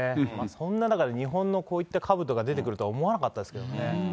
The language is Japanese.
そんな中で日本のこういったかぶとが出てくると思わなかったです